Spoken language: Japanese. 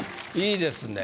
いいですね。